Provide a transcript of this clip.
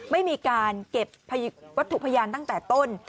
ไม่มีการเก็บวัตถุพยานตั้งแต่ต้น